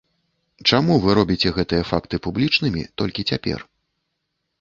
Чаму вы робіце гэтыя факты публічнымі толькі цяпер?